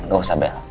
gak usah bella